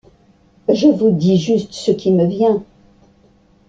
Je vous dis juste ce qui me vient.